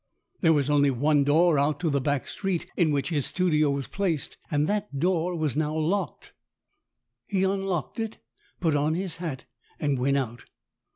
There was only one door out to the back street in which his studio was placed, and that door was now locked. He unlocked it, put on his hat, and went out.